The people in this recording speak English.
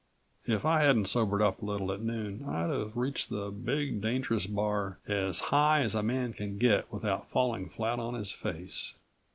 If I hadn't sobered up a little at noon I'd have reached the big, dangerous bar as high as a man can get without falling flat on his face.